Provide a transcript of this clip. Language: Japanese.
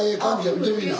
見てみいな。